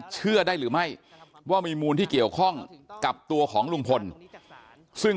เชื่อได้หรือไม่ว่ามีมูลที่เกี่ยวข้องกับตัวของลุงพลซึ่ง